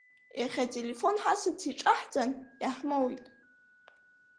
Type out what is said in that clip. Иахьа ателефон ҳасырц иҿаҳҵан, иаҳмоуит.